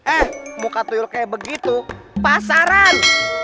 eh muka tuyul kayak begitu pasaran